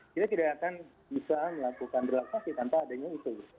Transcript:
kita tidak akan bisa melakukan relokasi tanpa adanya itu